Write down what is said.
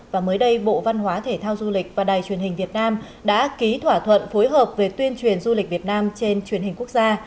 và mới đây bộ văn hóa thể thao du lịch và đài truyền hình việt nam đã ký thỏa thuận phối hợp về tuyên truyền du lịch việt nam trên truyền hình quốc gia